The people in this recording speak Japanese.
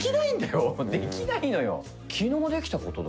できないのよ。